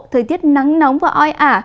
thời tiết nắng nóng và oi ả